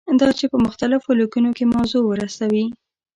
دا چې په مختلفو لیکنو کې موضوع ورسوي.